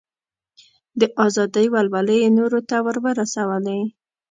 د ازادۍ ولولې یې نورو ته ور ورسولې.